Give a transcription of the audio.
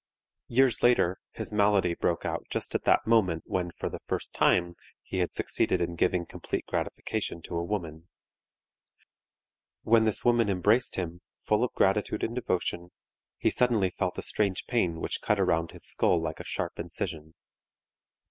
Years later his malady broke out just at that moment when for the first time he had succeeded in giving complete gratification to a woman. When this woman embraced him, full of gratitude and devotion, he suddenly felt a strange pain which cut around his skull like a sharp incision.